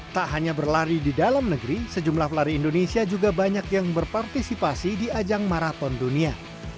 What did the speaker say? tak hanya berlari di dalam negeri sejumlah pelari indonesia juga banyak yang berpartisipasi di ajang maraton dunia